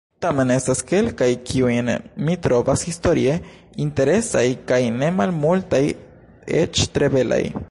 Tamen estas kelkaj, kiujn mi trovas historie interesaj, kaj ne malmultaj eĉ tre belaj.